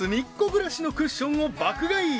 ぐらしのクッションを爆買い］